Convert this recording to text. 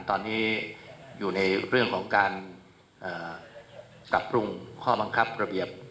ตอนนี้อยู่ในเรื่องของการปรับปรุงข้อบังคับระเบียบ